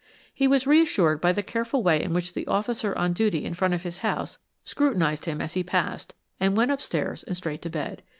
He was re assured by the careful way in which the officer on duty in front of his house scrutinized him as he passed, and went upstairs and straight to bed.